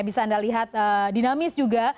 bisa anda lihat dinamis juga